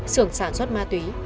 sưởng sản xuất ma túy